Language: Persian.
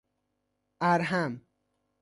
ارحم